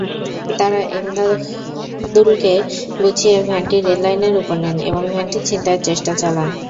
তাঁরা ইমাদুলকে বুঝিয়ে ভ্যানটি রেললাইনের ওপর নেন এবং ভ্যানটি ছিনতাইয়ের চেষ্টা চালান।